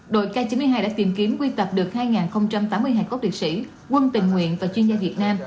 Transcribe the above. đội ca chín mươi hai đã tìm kiếm quy tập được hai nghìn tám mươi hai cốt liệt sĩ quân tình nguyện và chuyên gia việt nam